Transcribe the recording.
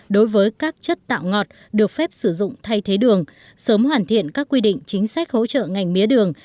đối với các chất tạo ngọt được phép sử dụng thay thế đường sớm hoàn thiện các quy định chính sách hỗ trợ ngành mía đường